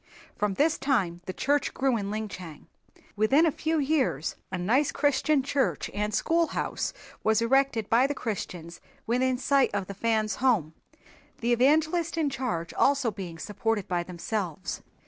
From this time the church grew in Linchang. Within a few years a nice Christian church and school house was erected by the Christians within sight of the Fans' home, the evangelist in charge also being supported by themselves.